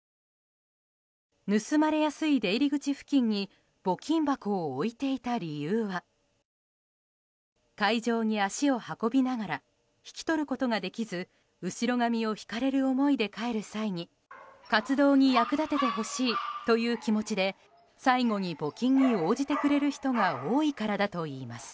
盗まれやすい出入り口付近に募金箱を置いていた理由は会場に足を運びながら引き取ることができず後ろ髪を引かれる思いで帰る際に活動に役立ててほしいという気持ちで最後に募金に応じてくれる人が多いからだといいます。